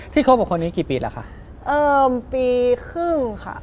คบกับคนนี้กี่ปีแล้วคะเอ่อปีครึ่งค่ะ